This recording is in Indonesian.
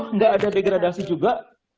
oh enggak ada degradasi juga